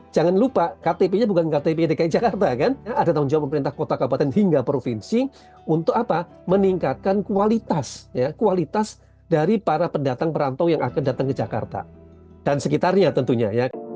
jangan lupa ktp nya bukan ktp dki jakarta kan ada tanggung jawab pemerintah kota kabupaten hingga provinsi untuk apa meningkatkan kualitas dari para pendatang perantau yang akan datang ke jakarta dan sekitarnya tentunya ya